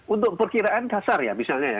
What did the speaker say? untuk perkiraan kasar ya misalnya ya